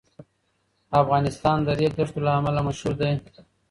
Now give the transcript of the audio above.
افغانستان د ریګ دښتو له امله مشهور دی.